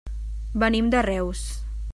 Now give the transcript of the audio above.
Venim de Reus.